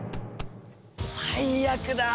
最悪だ！